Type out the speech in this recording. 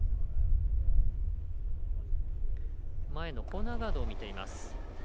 前のコーナーガードを見ています。